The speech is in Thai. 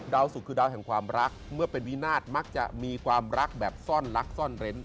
สุขคือดาวแห่งความรักเมื่อเป็นวินาศมักจะมีความรักแบบซ่อนรักซ่อนเร้น